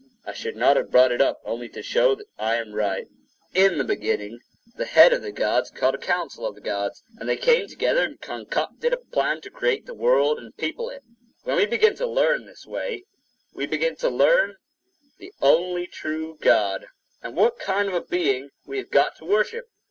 I should not have brought it up, only to show that I am right. A Council of the Gods[edit] In the beginning, the head of the gods called a council of the gods; and they came together and concocted a plan to create the world and people it. When we begin to learn this way, we begin to learn the only true God, and what kind of a being we have got to worship.